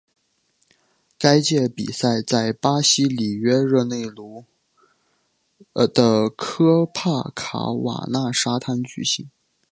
该届比赛在巴西里约热内卢的科帕卡瓦纳沙滩举行。